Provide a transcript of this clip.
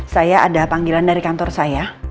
saya ada panggilan dari kantor saya